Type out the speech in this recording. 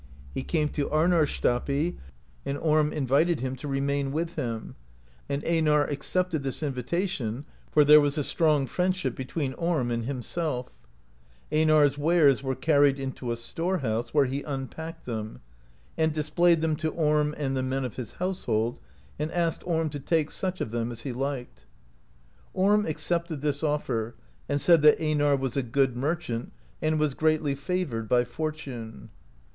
He came to Amarstapi, and Orm invited him to remain with him, and Einar accepted this invitation, for there was a strong friendship [between Orm and himself]. Einar's wares were carried into a store house, where he unpacked them, and displayed them to Orm and the men of his household, and asked Orm to take such of them as he liked. Orm accepted this offer, and said that Einar was a good mer chant, and was greatly favoured by fortune.